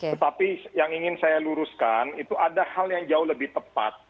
tetapi yang ingin saya luruskan itu ada hal yang jauh lebih tepat